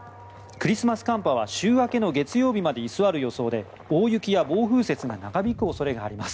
クリスマス寒波は週明けの月曜日まで居座る予想で大雪や暴風雪が長引く恐れがあります。